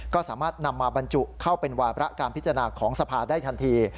ก็สามารถนำมาบรรจุเข้าเป็นวาระการพิจารณาของสภาได้ทันที